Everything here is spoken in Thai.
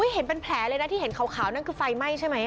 เห็นเป็นแผลเลยนะที่เห็นขาวนั่นคือไฟไหม้ใช่ไหม